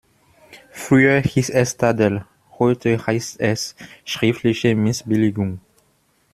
Früher hieß es Tadel, heute heißt es schriftliche Missbilligung.